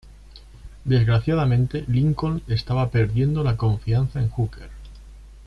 Desgraciadamente, Lincoln estaba perdiendo la confianza en Hooker.